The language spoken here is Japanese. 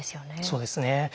そうですね。